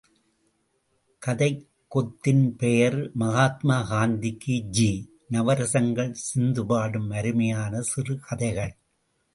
கதைக்கொத்தின் பெயர் மகாத்மா காந்திக்கு ஜே! – நவரசங்கள் சிந்துபாடும் அருமையான சிறு கதைகள்.